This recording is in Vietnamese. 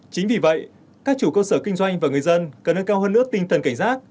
chính vì vậy các chủ cơ sở kinh doanh và người dân cần nâng cao hơn nữa tinh thần cảnh giác